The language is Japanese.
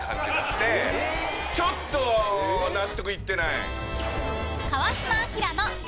ちょっと納得いってない。